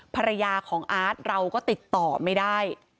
ภรรยาของอาร์ตเราก็ติดต่อไม่ได้